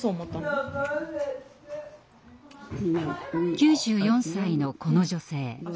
９４歳のこの女性。